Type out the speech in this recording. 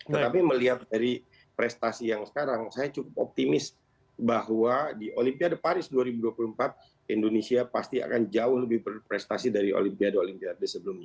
tetapi melihat dari prestasi yang sekarang saya cukup optimis bahwa di olimpiade paris dua ribu dua puluh empat indonesia pasti akan jauh lebih berprestasi dari olimpiade olimpiade sebelumnya